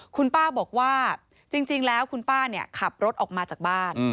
คุณป้าบอกว่าจริงแล้วคุณป้าขับรถออกมาจากบ้าน